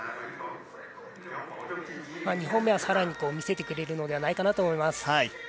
２本目はさらに見せてくれるのではと思います。